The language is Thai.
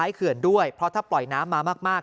เขื่อนด้วยเพราะถ้าปล่อยน้ำมามาก